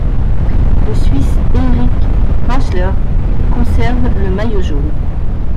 Le Suisse Erich Maechler conserve le maillot jaune.